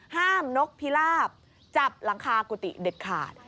นกพิลาบจับหลังคากุฏิเด็ดขาด